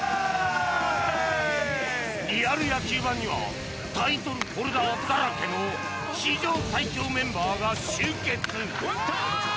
リアル野球ＢＡＮにはタイトルホルダーだらけの史上最強メンバーが集結。